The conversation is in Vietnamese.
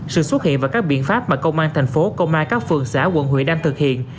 sự xuất hiện và các biện pháp mà công an thành phố công an các phường xã quận huyện đang thực hiện